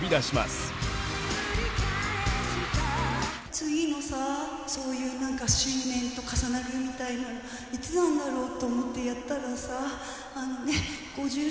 次のさそういう何か周年と重なるみたいのいつなんだろうと思ってやったらさあのね５０周年だったよ。